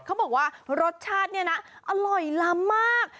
เขาบอกว่ารสชาติเนี่ยนะอร่อยล้ำมาก